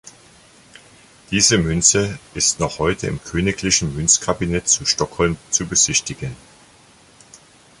Diese Münze ist noch heute im königlichen Münzkabinett zu Stockholm zu besichtigen.